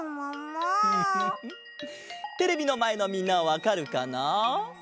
テレビのまえのみんなはわかるかな？